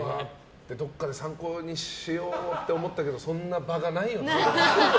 どこかで参考にしようと思ったけど、そういう場がないな。